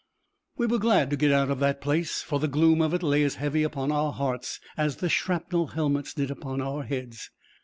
We were glad to get out of the place, for the gloom of it lay as heavy upon our hearts as the shrapnel helmets did upon our heads.